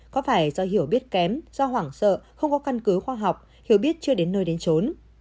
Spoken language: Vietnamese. có phải do hiểu biết kém do hoảng sợ không có căn cứ khoa học hiểu biết chưa đến nơi đến trốn